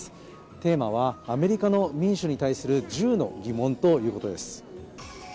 テーマはアメリカの民主に対する１０の疑問ということです。